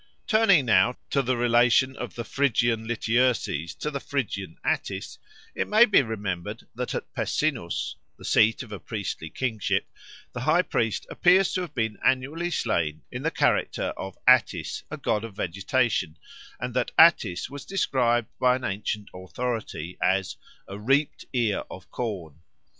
Turning now to the relation of the Phrygian Lityerses to the Phrygian Attis, it may be remembered that at Pessinus the seat of a priestly kingship the high priest appears to have been annually slain in the character of Attis, a god of vegetation, and that Attis was described by an ancient authority as "a reaped ear of corn."